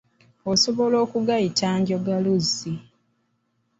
Osobola okugayita njogaluzzi.